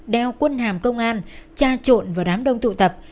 đeo quân hàm công an tra trộn vào đám đông tụ tập